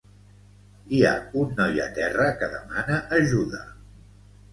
Hi ha un noi a terra que demana ajuda